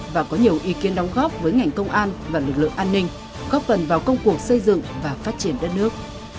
và có nhiều ý kiến đóng góp với ngành công an và lực lượng an ninh góp phần vào công cuộc xây dựng và phát triển đất nước